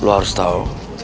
lo harus tahu